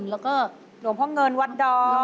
แล้วก็หลวงพ่อเงินวัดดอ